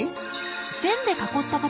線で囲った形。